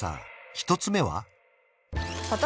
１つ目は？